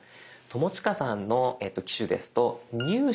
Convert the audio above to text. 友近さんの機種ですと「入手」。